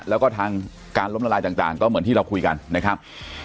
แล้วก็ทางการล้มละลายต่างก็เหมือนที่เราคุยกันนะครับ